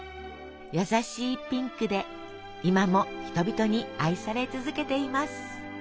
優しいピンクで今も人々に愛され続けています。